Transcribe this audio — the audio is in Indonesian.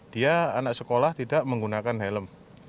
dia anak sekolah tidak menggunakan helm